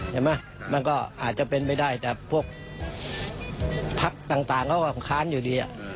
มันก็อาจจะเป็นไปได้แต่พวกพักต่างเขาก็ค้านอยู่ดี